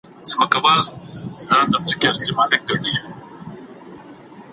د ډیټابیس ساتنه څوک کوي؟